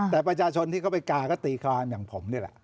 แต่ประชาชนที่เขาไปกาก็ตีคลานอย่างผมนี่แหละ